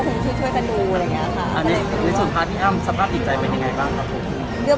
ดนตกกลุ่นกลับไปแล้ว